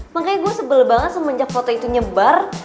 makanya gue sebel banget semenjak foto itu nyebar